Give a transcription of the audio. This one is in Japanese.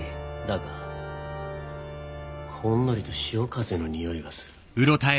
だがほんのりと潮風のにおいがする。